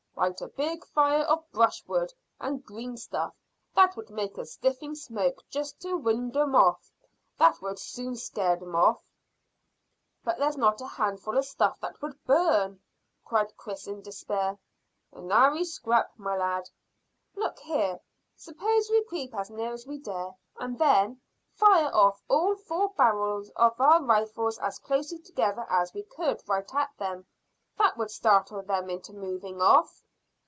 "Light a big fire of brushwood and green stuff that would make a stifling smoke just to wind'ard of them. That would soon scare them off." "But there's not a handful of stuff that would burn," cried Chris, in despair. "Nary scrap, my lad." "Look here; suppose we creep as near as we dare, and then fire off all four barrels of our rifles as closely together as we could, right at them. That would startle them into moving off."